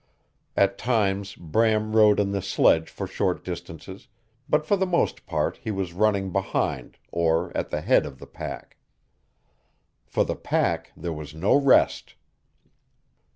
At times Bram rode on the sledge for short distances, but for the most part he was running behind, or at the head of the pack. For the pack there was no rest.